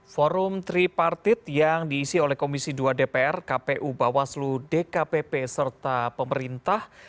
forum tripartit yang diisi oleh komisi dua dpr kpu bawaslu dkpp serta pemerintah